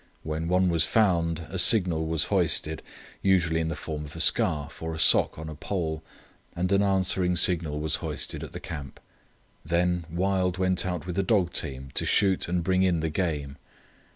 When one was found a signal was hoisted, usually in the form of a scarf or a sock on a pole, and an answering signal was hoisted at the camp. Then Wild went out with a dog team to shoot and bring in the game.